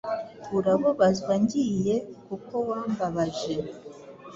Urabubazwa ngiye kuko wambabaje